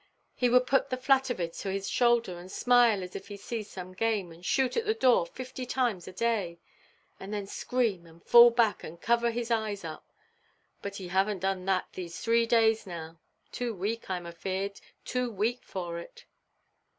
He would put the flat of it to his shoulder, and smile as if he see some game, and shoot at the door fifty times a day; and then scream and fall back and cover his eyes up. But he havenʼt done that these three days now; too weak, Iʼm afeard, too weak for it."